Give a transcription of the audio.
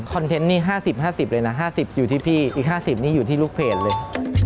เทนต์นี่๕๐๕๐เลยนะ๕๐อยู่ที่พี่อีก๕๐นี่อยู่ที่ลูกเพจเลย